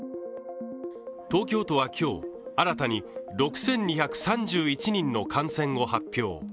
東京都は今日、新たに６２３１人の感染を発表。